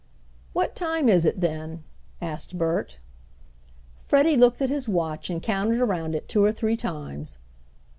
"What time is it, then?" asked Bert. Freddie looked at his watch and counted around it two or three times.